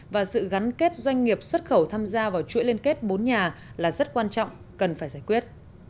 và sự gắn kết doanh nghiệp xuất khẩu tham gia vào chuỗi liên kết bốn nhà là rất quan trọng cần phải giải quyết